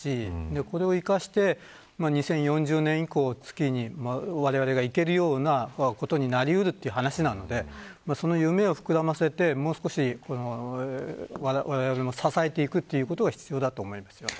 これを生かして、２０４０年以降月にわれわれが行けるようなことになり得るという話なのでその夢を膨らましてわれわれも支えていくことが必要だと思います。